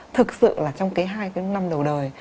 thực sự là trong cái hai cái năm đầu đời